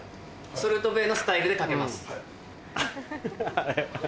ソルトベイのスタイルでかけます。